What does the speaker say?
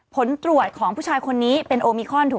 ผลตรวจของผู้ชายคนนี้เป็นโอมิคอนถูก